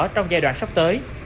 trong giai đoạn sắp tới